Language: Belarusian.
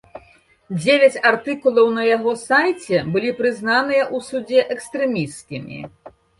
Дзевяць артыкулаў на яго сайце былі прызнаныя ў судзе экстрэмісцкімі.